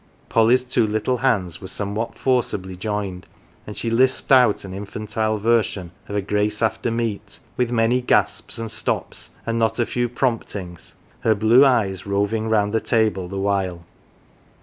Polly's two little hands were somewhat forcibly joined, and she lisped out an infantile version of a "grace after meat," with many gasps and stops, and not a few promptings, her blue eyes roving round the table the while.